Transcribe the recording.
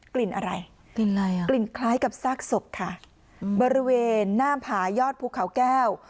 กลิ่นอะไรกลิ่นอะไรอ่ะกลิ่นคล้ายกับซากศพค่ะบริเวณหน้าผายอดภูเขาแก้ว